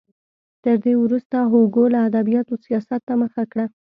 تر دې وروسته هوګو له ادبیاتو سیاست ته مخه کړه.